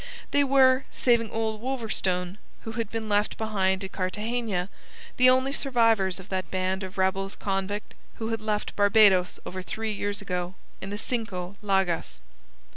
They were saving old Wolverstone, who had been left behind at Cartagena the only survivors of that band of rebels convict who had left Barbados over three years ago in the Cinco Llagas.